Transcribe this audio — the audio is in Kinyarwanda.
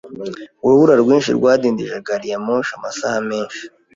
Urubura rwinshi rwadindije gari ya moshi amasaha menshi.